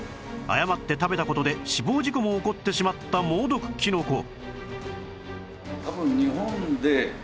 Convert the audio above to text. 誤って食べた事で死亡事故も起こってしまった猛毒キノコ